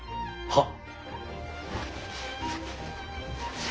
はっ。